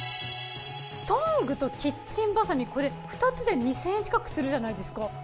トングとキッチンバサミこれ２つで２，０００円近くするじゃないですか。